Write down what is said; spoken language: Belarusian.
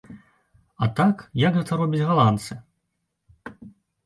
А так, як гэта робяць галандцы?